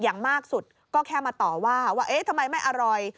อย่างมากสุดก็แค่มาต่อว่าว่าเอ๊ะทำไมไม่อร่อย